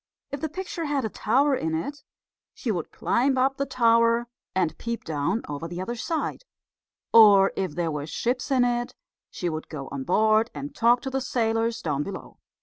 If the picture had a tower in it, she would climb up the tower and peep down over the other side; or if there were ships in it she would go on board and talk to the sailors down below.